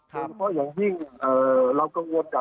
เพราะอย่างยิ่งเรากังวลดังว่า